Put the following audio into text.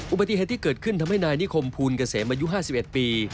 อุบัติเหตุที่เกิดขึ้นทำให้นายนิคมภูลเกษมอายุ๕๑ปี